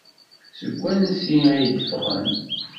Seg wansi ay d-ffɣen?